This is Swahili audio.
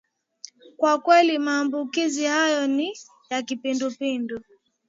kwa kweli maambukizi hayo ni ya kipindupindu